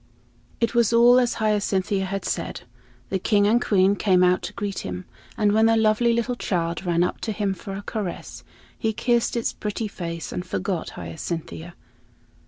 It was all as Hyacinthia had said. The King and Queen came out to greet him, and when the lovely little child ran up to him for a caress, he kissed its pretty face and forgot Hyacinthia.